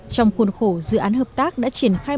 trong khuôn khổ dự án hợp tác đã triển khai